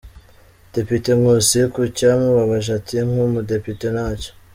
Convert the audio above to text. Depite Nkusi ku cyamubabaje ati “Nk’umudepite ntacyo.